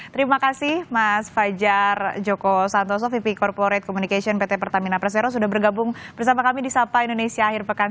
terima kasih mas fajar joko santoso vp corporate communication pt pertamina persero sudah bergabung bersama kami di sapa indonesia akhir pekan